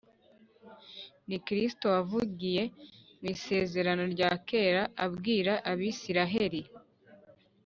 Ni Kristo wavugiye mu Isezerano rya Kera abwira Abisiraheli